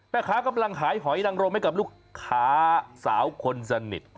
กำลังขายหอยนังรมให้กับลูกค้าสาวคนสนิท